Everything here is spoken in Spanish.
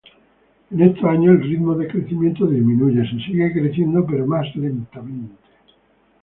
En estos años, el ritmo de crecimiento disminuye, se sigue creciendo pero más lentamente.